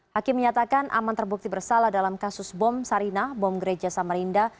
hakim menyatakan aman terbukti bersalah dalam kasus bom sarinah bom gereja samarinda